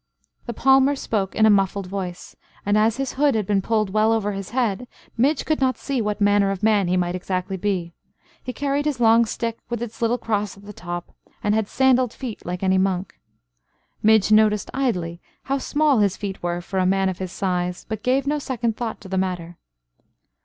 The palmer spoke in a muffled voice; and as his hood had been pulled well over his head, Midge could not see what manner of man he might exactly be. He carried his long stick with its little cross at the top; and had sandalled feet, like any monk. Midge noticed idly how small his feet were for a man of his size, but gave no second thought to the matter.